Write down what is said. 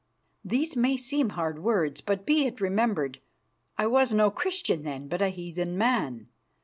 These may seem hard words, but, be it remembered, I was no Christian then, but a heathen man.